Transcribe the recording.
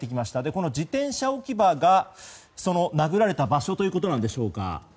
この自転車置き場がその殴られた場所ということなんでしょうか。